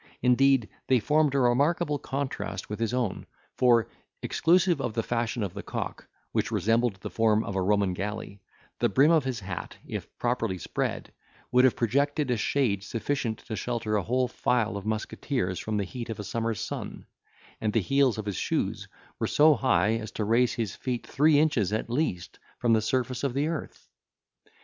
Indeed, they formed a remarkable contrast with his own; for, exclusive of the fashion of the cock, which resembled the form of a Roman galley, the brim of his hat, if properly spread, would have projected a shade sufficient to shelter a whole file of musketeers from the heat of a summer's sun; and the heels of his shoes were so high as to raise his feet three inches at least from the surface of the earth.